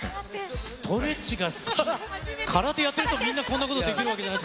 ストレッチが好き、空手やってると、みんなこんなことできるわけじゃない。